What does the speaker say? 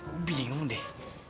gue bingung deh